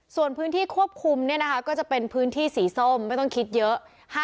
ส่วนพื้นที่ควบคุมก็จะเป็นพื้นที่สีส้มไม่ต้องคิดเยอะ